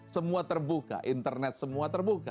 semua terbuka internet semua terbuka